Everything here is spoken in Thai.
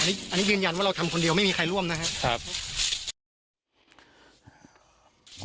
อันนี้ยืนยันว่าเราทำคนเดียวไม่มีใครร่วมนะครับ